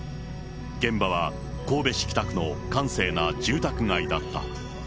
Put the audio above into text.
現場は神戸市北区の閑静な住宅街だった。